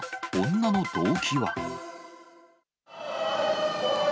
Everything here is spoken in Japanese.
女の動機は？